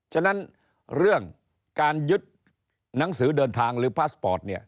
ฉะนั้นเรื่องการยึดหนังสือเดินทางหรือพาสปอร์ตเนี่ย